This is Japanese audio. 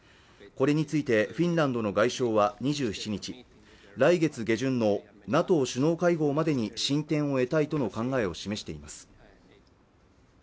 これについてフィンランドの外相は２７日来月下旬のＮＡＴＯ首脳会合までに進展を得たいとの考えを示しています